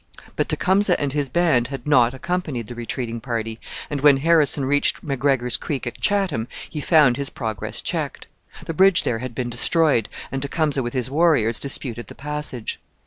But Tecumseh and his band had not accompanied the retreating party; and when Harrison reached McGregor's Creek at Chatham, he found his progress checked. The bridge there had been destroyed, and Tecumseh with his warriors disputed the passage.